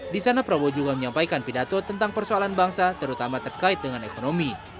di sana prabowo juga menyampaikan pidato tentang persoalan bangsa terutama terkait dengan ekonomi